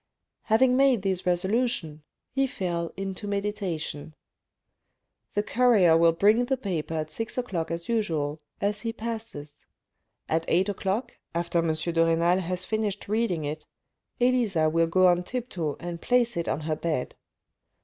Having made this resolution, he fell into meditation ..." The courier will bring the paper at six o'clock as usual, as he passes ; at eight o'clock, after M. de Renal has finished read ing it, Elisa will go on tiptoe and place it on her bed.